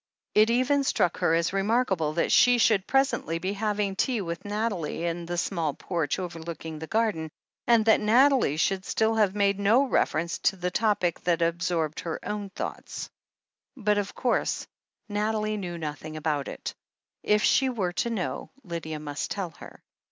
It even struck her as remarkable that she should presently be having tea with Nathalie in the small porch overlooking the garden, and that Nathalie should still have made no reference to the topic that absorbed her own thoughts. But, of course, Nathalie knew nothing about it. If she were to know, Lydia must tell her.